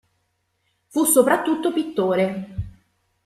Fu soprattutto pittore.